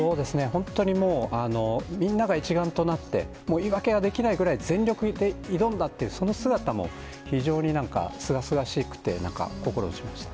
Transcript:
本当にもう、みんなが一丸となって、もう言い訳はできないぐらい、全力で挑んだっていう、その姿も非常になんか、すがすがしくて、心打ちました。